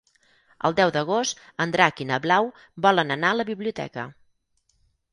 El deu d'agost en Drac i na Blau volen anar a la biblioteca.